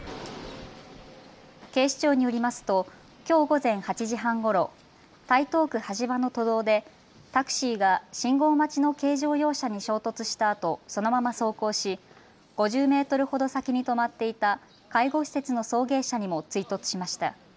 警視庁によりますときょう午前８時半ごろ台東区橋場の都道でタクシーが信号待ちの軽乗用車に衝突したあと、そのまま走行し５０メートルほど先に止まっていた介護施設の送迎車にも追突しました。